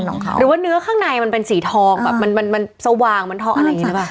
หรือว่าเนื้อข้างในมันเป็นสีทองแบบมันมันสว่างมันทองอะไรอย่างนี้หรือเปล่า